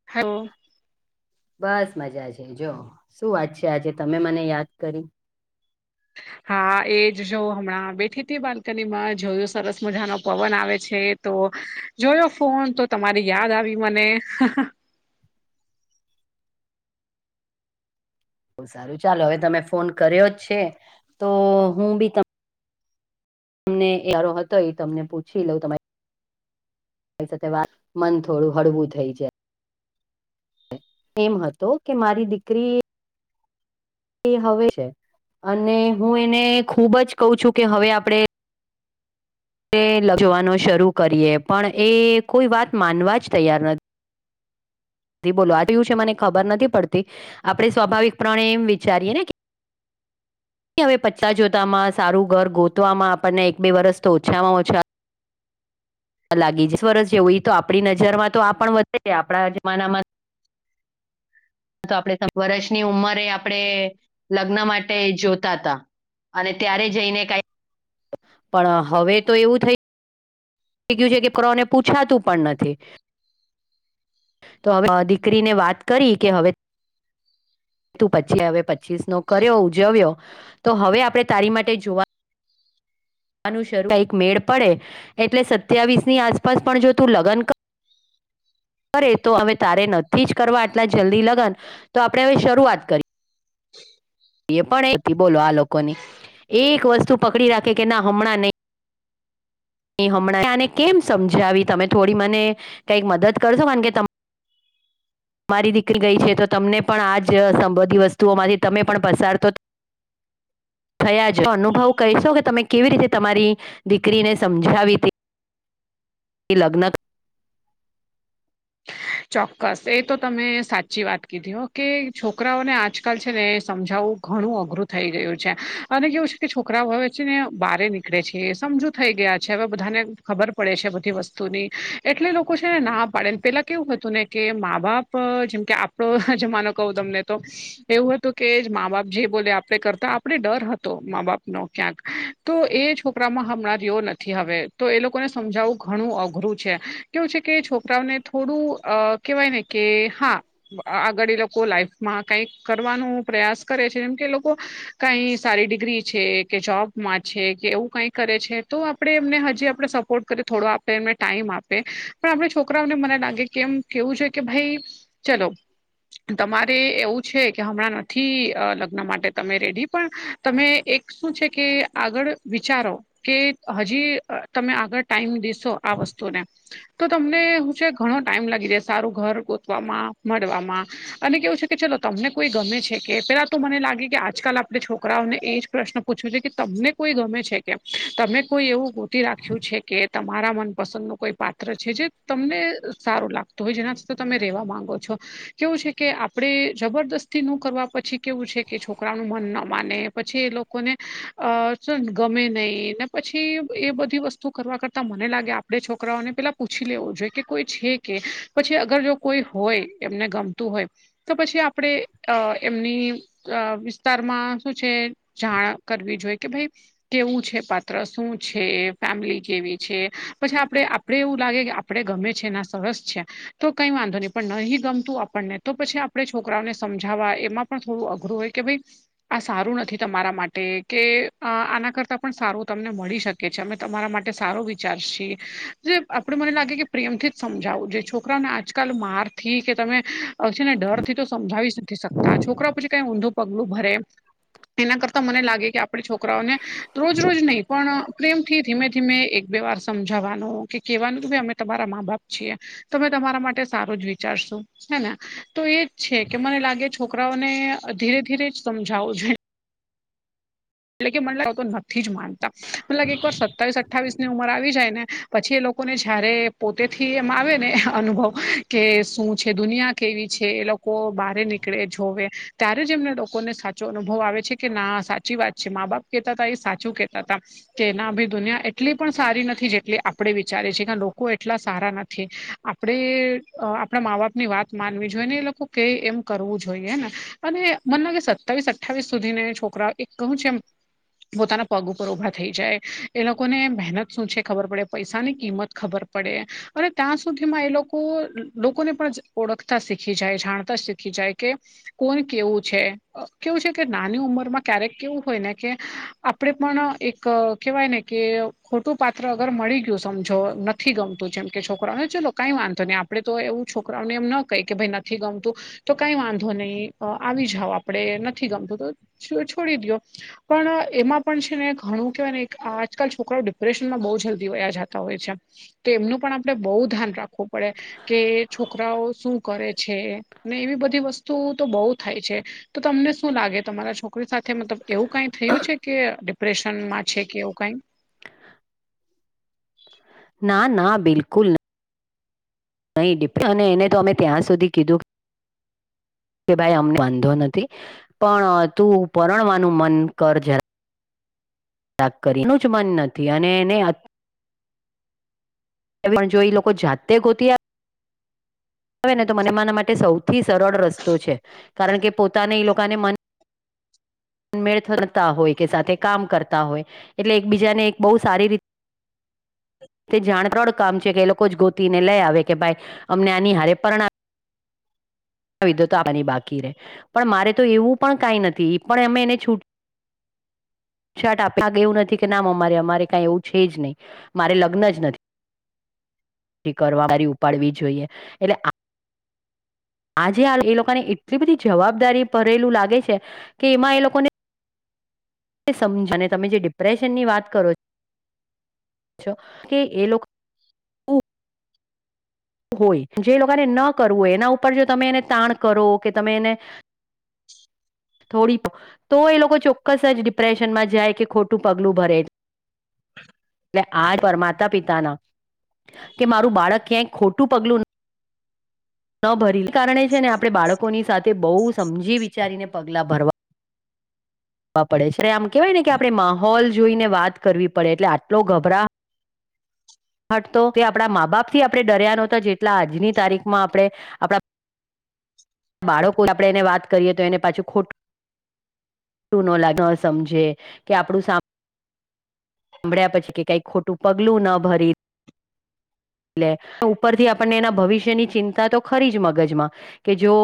[unintelligible] બસ મજા છે જો શું વાત છે આજે તમે મને યાદ કરી. હા એ જ જો હમણાં બેઠી હતી બાલ્કનીમાં જોયું સરસ મજાનો પવન આવે છે. તો જોયો ફોન તો તમારી યાદ આવી મને બહુ સારું ચાલો હવે તમે ફોન કર્યો જ છે તો હું પણ તમને તમને [unintelligible] હતો એ તમને પૂછી લઉં તમારી તેમને સાથે વાત કરી, મન થોડું હળવું થઈ જાય. એમ હતો કે મારી દીકરી એ હવે છે અને હું એને ખુબ જ કહુ છું કે હવે આપણે તે લગ્ન જોવાનો શરૂ કરીએ પણ એ કોઈ વાત માનવા જ તૈયાર નથી બોલો આ એવું છે મને ખબર નથી પડતી આપણે સ્વાભાવિક પ્રણે એમ વિચારીએ ને કે હવે પતા જોતામાં સારું ઘર શોધવામાં આપણને એક બે વર્ષ તો ઓછામાં ઓછા લગી [unintelligible] જ વરસ જેવું તો આપણી નજરમાં તો આ પણ વધે આપણા જમાનામાં તો આપણે વર્ષની ઉંમરે આપણે લગ્ન માટે જોતા હતા. અને ત્યારે જઈને કઈ પણ હવે તો એવું થઈ ગયું છે કે કોને પૂછાતું પણ નથી. તો હવે દીકરીને વાત કરી કે હવે તું પછી હવે પચીસ નો કર્યો ઉજવ્યો તો હવે આપણે તારી માટે જોવા કઈ મેળ પડે એટલે સત્યાવીસ ની આસપાસ પણ જો તું લગ્ન કર કરે તો હવે તારે નથી જ કરવા આટલા જલ્દી લગન તો આપણે હવે શરૂઆત કરી પણ એથી બોલો આ લોકોની એક વસ્તુ પકડી રાખે કે ના હમણાં નહી. હમણાંને કેમ સમજાવી તમે થોડી મને કંઈક મદદ કરશો કારણ કે તમ મારી દીકરી ગઈ છે તો તમને પણ આ જ સંબધી વસ્તુઓ માંથી તમે પણ પસાર તો થયા છે. તે અનુભવ કહીશો કે તમે કેવી રીતે તમારી દીકરીને સમજાવી હતી કે લગ્ન ચોક્કસ એ તો તમે સાચી વાત કીધી કે છોકરાઓને આજકાલ છે ને એ સમજાવવું ઘણું અઘરું થઈ રહ્યું છે અને કેવું છે કે છોકરાઓ હવે છે ને બહાર નીકળે છે સમજો થઈ ગયા છે હવે બધાને ખબર પડે છે બધી વસ્તુ ની એટલે લોકો છે ને ના પાડે ને પહેલા કેવું હતું ને કે મા બાપ જેમ કે આપણો જમાનો કહું તમને તો એવું હતું કે મા બાપ જે બોલે આપણે કરતા આપણે ડર હતો મા બાપનો ક્યાંક તો એ છોકરામાં હમણાં જેઓ નથી હવે તો એ લોકોને સમજાવવું ઘણું અઘરું છે. કેવું છે કે છોકરાઓને થોડું કેહેવાય ને કે હા આગળ એ લોકો લાઈફમાં કંઈક કરવાનો પ્રયાસ કરે છે. એમ કે લોકો કઈ સારી ડિગ્રી છે કે જોબમાં છે કે એવું કઈ કરે છે તો આપડે એમને હજી આપણે સપોર્ટ થોડો આપે એમને ટાઈમ આપે પણ આપણે છોકરાઓને મને લાગે કેમ કેવું છે કે ભાઈ ચાલો તમારે એવું છે કે હમણાં નથી લગ્ન માટે તમે રેડી પણ તમે એક શું છે કે આગળ વિચારો કે હજી તમે આગળ ટાઈમ દેશો આ વસ્તુને તો તમને ઘણો ટાઈમ લાગી રે સારું ઘર શોધવામાં મળવામાં અને કેવું છે કે ચલો તમને કોઈ ગમે છે કે પહેલા તો મને લાગે કે આજકાલ આપણે છોકરાઓને એ જ પ્રશ્ન પૂછવુ છે કે તમને કોઈ ગમે છે કે તમે કોઈ એવું શોધી રાખ્યું છે કે તમારા મનપસંદ નું કોઈ પાત્ર છે જે તમને સારું લાગતું હોય જેનાથી તમે રેવા માંગો છો કેવું છે કે આપડે જબરદસ્તીનું કરવા પછી કેવું છે કે છોકરાનું મન ન માને પછી એ લોકો લોકોને અ ગમે નઈ ને પસી એ બધી વસ્તુ કરવા કરતા મને લાગે આપણે છોકરાઓને પેલા પૂછી લેવું જોએ કે કોઈ છે કે પછી અગર જો કોઈ હોય એમને ગમતું હોય તો પછી આપણેે અ એમની અ વિસ્તારમાં શું છે જાણ કરવી જોઈએ કે ભઈ કેવું છે પાત્ર શું છે ફેમિલી કેવી છે પછી આપડે આપડે એવું લાગે કે આપડે ગમે છે ના સરસ છે તો કઈ વાંધો નહી પણ નહી ગમતું આપણને તો પછી આપણે છોકરાઓને સમજાવવા એમાં પણ થોડું અઘરું હોય કે ભાઈ આ સારું નથી તમારા માટે કે આના કરતાં પણ સારું તમને મળી શકે કે છે અમે તમારા માટે સારો વિચારસી જે આપડ મને લાગે કે પ્રેમથી જ સમજાવું જોઈએ છોકરાને આજકાલ માર થી કે તમે છે ને ડર થી તો સમજાવી જ નથી શકતા તા છોકરાઓ પછી કઈ ઊંધું પગલું ભરે એના કરતા મને લાગે કે આપણે છોકરાઓને રોજ રોજ નહીં પણ પ્રેમથી ધીમે ધીમે એક બે વાર સમજાવાનું કે કેહેવાનું કે અમે તમારા મા બાપ છીએ તમે તમારા માટે સારું જ વિચારશો છે ને તો એજ છે કે મને લાગે છોકરાઓને ધીરે ધીરે જ સમજાવું જોઈએ એટલે કે મતલબ નથી જ માનતા મતલ એક વાર સત્તાવીસ અઠ્ઠાવીસ ની ઉંમર આવી જાય ને પછી એ લોકોને જયારે પોતે થી એમ આવે ને અનુભવ કે શું છે દુનિયા કેવી છે એ લોકો બહાર નીકળે જોવે ત્યારે જ એમને લોકો ને સાચો અનુભવ આવે છે કે ના સાચી વાત છે મા બાપ કેતા હતા એ સાચું કેતા હતા કે એના ભી દુનિયા એટ એટલી પણ સારી નથી જેટલી આપણેે વિચારે છીએ કે લોકો એટલા સારા નથી આપણેે આપણા મા બાપની વાત માનવી જોઈએ ને એ લોકો કે એમ કરવું જોઈએ હે ને અને મને લાગે સત્તાવીસ અઠ્ઠાવીસ સુધી છોકરા એક કહું છું એમ પોતાના પગ ઉપર ઉભા થઈ જાય એ લોકોને મહેનત શું છે ખબર પડે પૈસા ની કિંમત ખબર પડે અને ત્યાં સુધીમાં એ લોકો લોકોને પણ ઓળખતા શીખ શીખી જાય જાણતા શીખી જાય કે કોણ કેવું છે કેવું છે કે નાની ઉંમર માં ક્યારેક કેવું હોય ને કે આપણેે પણ એક કેહેવાય ને કે ખોટું ખોટુ પાત્ર અગર મળી ગયું સમજો નથી ગમતું જેમ કે છોકરાને ચલો કંઈ વાંધો નહી આપણેે તો એવું છોકરાઓને એમ ન કહી કે ભાઈ નથી ગમતું તો કઈ વાંધો નહીં આવી જાઓ આપડે નથી ગમતું તો છોડી દયો પણ એમાં પણ છે ને ઘણું કેહેવાય ને આજકાલ છોકરાઓ ડિપ્રેશનમાં બહુ જલ્દી વયા જતા હોય છે તો એમનું પણ આપણે બહુ ધ્યાન રાખવું પડે કે છોકરાઓ શું કરે છે ને એવી બધી વસ્તુ તો બહુ થાય છે તો તમને શું લાગે તમારા છોકરા કોઈ સાથે મતલબ એવું કંઈ થયું છે કે ડિપ્રેશનમાં છે કે એવું કંઈક ના ના બિલકુલ નઈ નહીં ડિપ્રે અને એને તો અમે ત્યાં સુધી કીધું કે ભાઈ અમને વાંધો નથી પણ તું પરણવાનું મન કર જરા કરી એનું જ મન નથી અને એને પણ જો ઈ લોકો જાતે ગોતી આપે આવે ને તો મને મારા માટે સૌથી સરળ રસ્તો છે કારણ કે પોતાને એ લોકોને મન મેળ થતા હોય, કે સાથે કામ કરતા હોય, એટલે એકબીજાને એક બવ સારી રીતે- તે, જાણ ત્રણ કામ છે કે, એ લોકો જ ગોતીને લય આવે, કે ભાઈ અમને આની હારે પરણા- [unintelligible] [unintelligible] બાકી રે પણ મારે તો એવું પણ કઈ નથી, પણ અમે એને છૂટ- -છાંટ આપી ના એવું નથી, કે ના મમા અમારે કઈ એવું છે જ નહીં. મારે લગ્ન જ નથી- નથી કરવા. [unintelligible] ઉપાડવી જોઈએ એટલે- આજે આ એ લોકોને, એટલી બધી જવાબદારી ભરેલું લાગે છે કે, એમાં એ લોકોને- -સમજ અને તમે જે ડિપ્રેશન ની વાત કરો છો, - છો, કે એ લોકો- હોય જે લોકોને ન કરવું હોય, એના ઉપર જો તમે એને તાણ કરો કે તમે એને- -થોડી તો એ લોકો ચોક્કસ જ ડિપ્રેશનમાં જાય, કે ખોટું પગલું ભરે. એટલે આ પર, માતા પિતાના કે મારું બાળક ક્યાંય ખોટું પગલું નથી- -ન ભરે કારણે છેને, આપણે બાળકોની સાથે બહુ સમજી વિચારીને પગલાં ભરવા- -પડે છે, આમ કેવાય નેકે, આપણે માહોલ જોઈને વાત કરવી પડે, એટલે આટલો ગભરા- -હટ તોકે આપડા માં -બાપથી આપણે ડર્યા નોતા, જેટલા આજની તારીખમાં આપણેે આપણાં- -બાળકો એને વાત કરીએ. તો એને પાછું ખોટું, -સમજે કે આપણું નામ- -સાંભળ્યા પછી, કે કંઈ ખોટું પગલું ન ભરી. એટલે, ઉપરથી આપણને એના ભવિષ્યની ચિંતાતો ખરીજ મગજમાં. કેજો-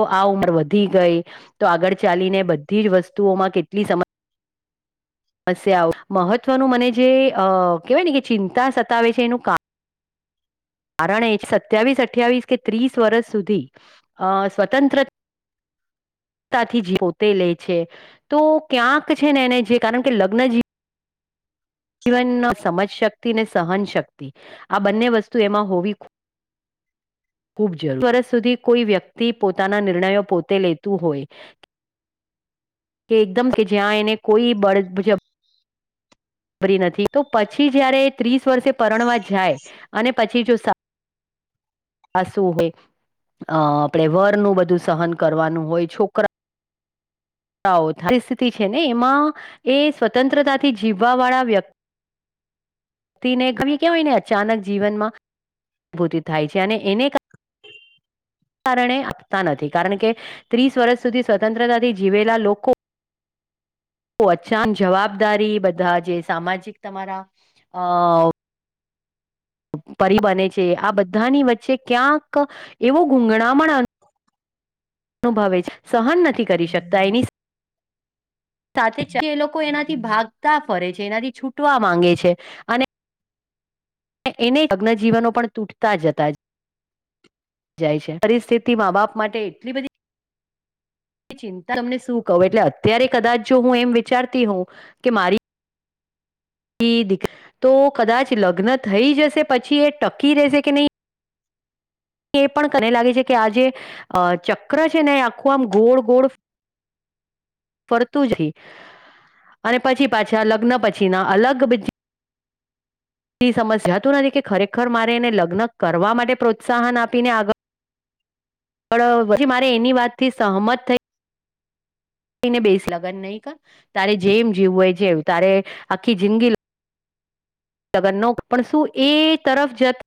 તો આ ઉંમર વધી ગઈ, તો આગળ ચાલીને બધી જ વસ્તુઓમાં કેટલી સમસ્યા- - હશે આવું, મહત્વનું મને જે, કેહેવાય નેકે ચિંતા સતાવે છે, એનું કામ- -કારણે એ સત્યાવીસ, અઠ્યાવીસ, કે ત્રીસ વર્ષ સુધી અ સ્વતંત્ર- -થી પોતે લે છે. તો ક્યાંક છેને, એને જે કારણ કે લગ્ન જ જીવ- -જીવન સમજશક્તિ ને, સહનશક્તિ આ બંને વસ્તુ એમાં હોવી- ખૂબ જરૂરી, વર્ષ સુધી કોઈ વ્યક્તિ પોતાના નિર્ણયો પોતે લેતું હોય- [unintelligible] [inaudible] કે, એકદમ કે, જ્યાં એને કોઈ બળ જબ- -રી નથી. તો પછી જયારે ત્રીસ વર્ષે પરણવા જાય અને પછી જો- -આશુ હોય અ આપણેે વરનું બધું સહન કરવાનું હોય, છોકરા- પરિસ્થિતિ છે, ને એમાં એ સ્વતંત્રતાથી જીવવા વાળા વ્યક્તિ- કેવાયને, અચાનક જીવનમાં અનુભૂતિ થાય છે, અને એને- -કારણે આપતા નથી, કારણ કે ત્રીસ વર્ષ સુધી સ્વતંત્રતાથી જીવેલા લોકો‌- -તો અચાનક જવાબદારી બધા જે સામાજિક તમારા અ- -પરી બને છે. આ બધાની વચ્ચે ક્યાંક એવો ગૂણામણ- [unintelligible] [inaudible] -અનુભવે સહન નથી કરી શકતા. એની સાથે- -સાથે જએ લોકો એનાથી ભાગતા ફરે છે, એનાથી છૂટવા માંગે છે, અને- એને લગ્નજીવનો પણ તૂટતા જ હતા જ- -જાય છે, પરિસ્થિતિ મા -બાપ માટે એટલી બધી- -ચિંતા તમને શું કવ. એટલે અત્યારે કદાચ જોહું એમ વિચારતી હોઉ કે મારી- -એ દિ તો કદાચ લગ્ન થઈ જશે, પછી એ ટકી રહેશે કે નહીં- એ પણ, [unintelligible] લાગે છે, કે આજે- -અ ચક્ર છે, ને આખું આમ ગોળ ગોળ- -ફરતું જ રેય, અને પછી, પાછા લગ્ન પછી ના, અલગ બ- -સમજાતું નથી કે, ખરેખર મારે એને લગ્ન કરવા માટે પ્રોત્સાહન આપીને આગળ- -પણ પછી મારે એની વાત થી સહમત થઈ- ને બેસ લગન નહી કર તારે જેમ જીવું હોય જે તારે આખી જિંદગી લગન નો પણ શું એ તરફ જતો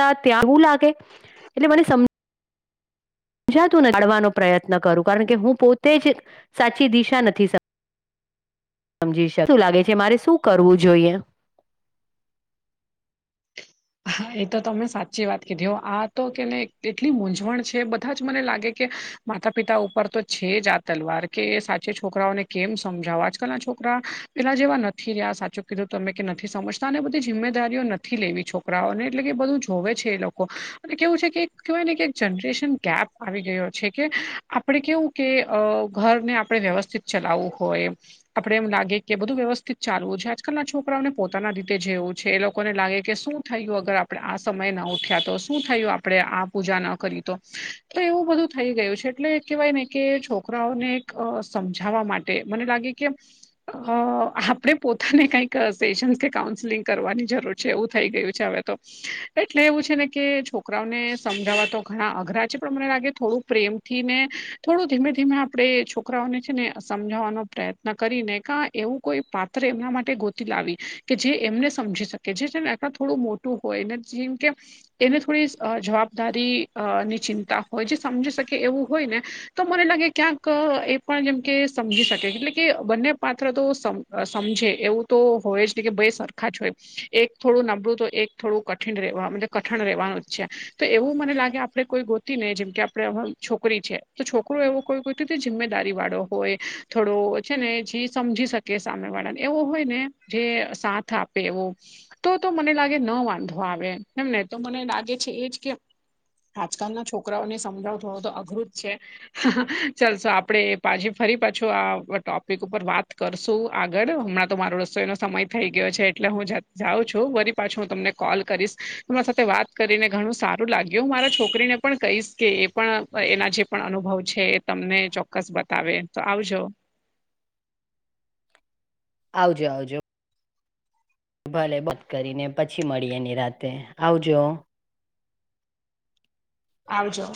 તા ત્યાં હું લાગે એટલે મને સમજ સમજાતું ભણવાનો પ્રયત્ન કરું કારણ કે હું પોતે જ સાચી દિશા નજીક નક્કી સમજી શું લાગે છે, મારે શું કરવું જોઈએ. હા એતો તમે સાચી વાત કીધી આતો કેને એટલી મૂંઝવણ છે, બધા જ મને લાગે કે માતા પિતા ઉપર તો છે, જ આ તલવાર કે સાચે છોકરાઓને કેમ સમજાવો આજકાલના છોકરા પેલા જેવા નથી રહ્યા સાચું કીધું તમે કે નથી, સમજતા અને બધી જિમ્મેદારીઓ નથી લેવી છો છોકરાઓને એટલે કે બધું જોવે છે, એ લોકો એ કેવું છે, કે કેહેવાયને કે જનરેશન ગેપ આવી ગયો છે, કે આપણે કેવું કે અ ઘરને આપણે વ્યવસ્થિત ચલાવવું હોય. આપડે એમ લાગે કે બધું વ્યવસ્થિત ચાલવું છે, આજકાલના છોકરાઓને પોતાના રીતે જેવું છે, એ લોકોને લાગે કે શું થયું અગર આપડે આ સમયના ઉઠ્યા તો શું થયું આપડે આ પૂજાના કરી તો તો એવું બધું થઈ ગયું છે, એટલે કેહેવાયને કે છોકરાઓને એક સમજાવવા માટે તે મને લાગે કે અ આપણે પોતાને કઈક પેસશન્સ કે કાઉન્સેલિંગ કરવાની જરૂર છે એવું થઈ ગયું છે હવે તો એટલે એવું છે ને કે છોકરાઓને સમજાવવા તો ઘણા અઘરા છે પણ મને લાગે થોડું પ્રેમ ને થોડું ધીમે ધીમે આપણે છોકરાઓને છે ને સમજાવવાનો પ્રયત્ન કરીને કા એવું કોઈ પાત્ર એમના માટે ગોતી લાવી કે જે એમને સમજી શકે જે થોડું મોટું હોય ને જેમ કે તેને થોડી જવાબદારી અ ની ચિંતા હોય જે સમજી શકે એવું હોય ને તો મને લાગે ક્યાંક એ પણ જેમ કે સમજી શકે એટલે કે બંને પાત્ર તો સમજે એવું તો હોય જ ને કે ભાઈ સરખાજ હોય એક થોડું નબળું તો એક થોડું કઠિન કઠણ રેવાનું જ છે તો એવું મને લાગે આપણે કોઈ ગોતી ને જેમ કે આપણે છોકરી છે તો છોકરો એવું કોઈ કઈ હતું જિમ્મેદારી વાળો હોય થોડો છે ને જે સમજી શકે કે સામે વાળાને એવો હોય ને જે સાથ આપે એવો તો તો મને લાગે કે ન વાંધો આવે એમ ને તો મને લાગે છે એજ કેમ આજકાલના છોકરાઓને સમજાવ થોડો તો અઘરું જ છે. હા હા ચાલસો આપણે પાછી ફરી પાછું આ ટોપ પિક ઉપર વાત કરશું આગળ હમણાં તો મારો રસ્તોઈનો સમય થઈ ગયો છે એટલે હું જાઉં છું વરી પાછું હું તમને કોલ કરીશ તમારા સાથે વાત કરીને ઘણું સારું લાગ્યું મારા છોકરીને પણ કહીશ કે એ પણ એના જે પણ અનુભવ છે એ તમને ચોક્કસ બતાવે તો આવજો આવજો આવજો ભલે બંધ કરીને પછી મળીએની રાતે આવજો આવજો